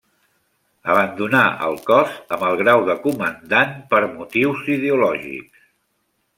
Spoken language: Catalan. Abandonà el Cos amb el grau de comandant per motius ideològics.